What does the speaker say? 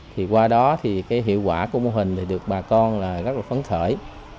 thì qua đó thì cái hiệu quả của mô hình được bà con rất là phấn khởi